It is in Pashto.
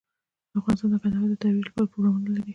افغانستان د کندهار د ترویج لپاره پروګرامونه لري.